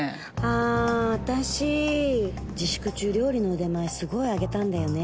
「あ私自粛中料理の腕前すごい上げたんだよね」。